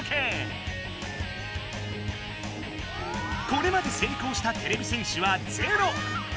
これまで成功したてれび戦士はゼロ！